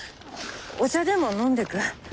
お茶でも飲んでく？